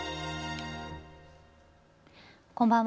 こんばんは。